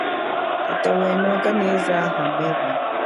Tata weno kaneza hamene.